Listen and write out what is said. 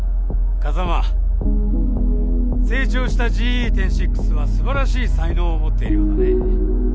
風真成長したＧＥ１０．６は素晴らしい才能を持っているようだね。